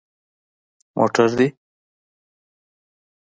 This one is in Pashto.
_موټر دي؟